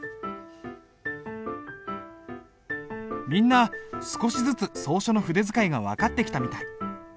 みんな少しずつ草書の筆使いが分かってきたみたい。